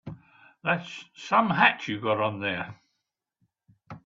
That's some hat you got on there.